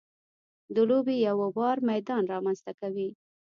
د لوبې یو ه وار میدان رامنځته کوي.